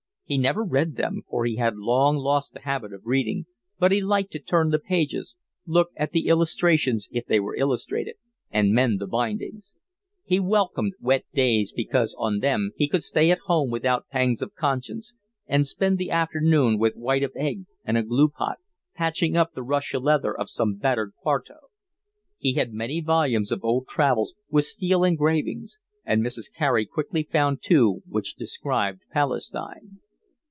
He never read them, for he had long lost the habit of reading, but he liked to turn the pages, look at the illustrations if they were illustrated, and mend the bindings. He welcomed wet days because on them he could stay at home without pangs of conscience and spend the afternoon with white of egg and a glue pot, patching up the Russia leather of some battered quarto. He had many volumes of old travels, with steel engravings, and Mrs. Carey quickly found two which described Palestine.